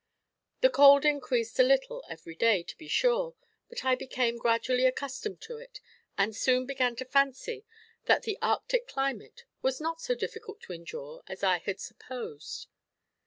The cold increased a little every day, to be sure, but I became gradually accustomed to it, and soon began to fancy that the Arctic climate was not so difficult to endure as I had supposed.